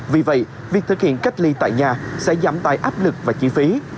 vì vậy việc thực hiện cách ly tại nhà sẽ giảm tài áp lực và chi phí